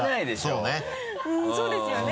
うんそうですよね。